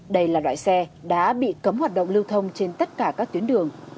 đây là loại xe đã bị cấm hoạt động lưu thông trên tất cả các tuyến đường